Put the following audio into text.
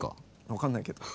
分かんないけど。